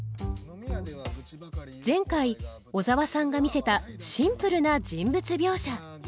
前回小沢さんが見せたシンプルな人物描写。